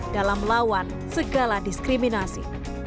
dalam lawan segala diskriminasi